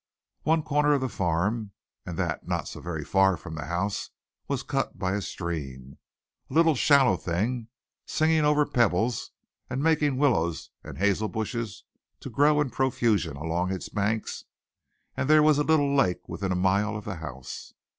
One corner of the farm, and that not so very far from the house, was cut by a stream, a little shallow thing, singing over pebbles and making willows and hazel bushes to grow in profusion along its banks, and there was a little lake within a mile of the house.